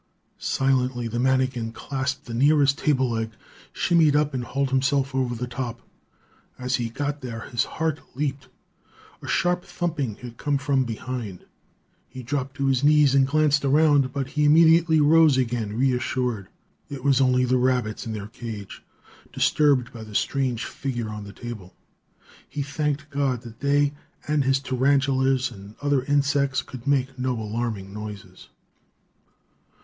Silently, the manikin clasped the nearest table leg, shinnied up and hauled himself over the top. As he got there his heart leaped. A sharp thumping had come from behind. He dropped to his knees and glanced round; but he immediately rose again, reassured. It was only the rabbits in their cage, disturbed by the strange figure on the table. He thanked God that they and his tarantulas and other insects could make no alarming noises.